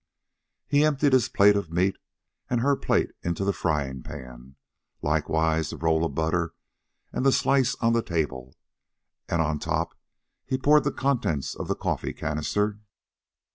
He emptied his plate of meat and her plate into the frying pan, likewise the roll of butter and the slice on the table, and on top he poured the contents of the coffee canister.